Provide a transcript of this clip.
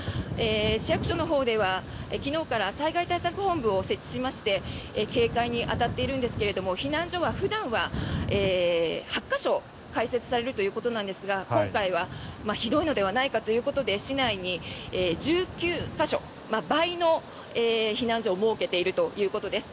市役所のほうでは昨日から災害対策本部を設置しまして警戒に当たっているんですが避難所は、普段は８か所開設されるということなんですが今回はひどいのではないかということで市内に１９か所、倍の避難所を設けているということです。